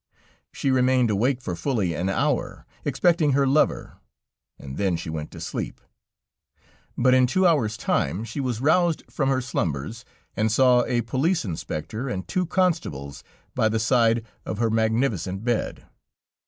She remained awake for fully an hour, expecting her lover, and then she went to sleep, but in two hours' time she was roused from her slumbers, and saw a police inspector and two constables by the side of her magnificent bed.